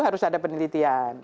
harus ada penelitian